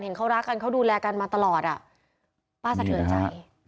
เขารักกันเขาดูแลกันมาตลอดอ่ะป้าสะเทือนใจ